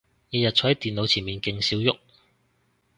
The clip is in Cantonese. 日日坐係電腦前面勁少郁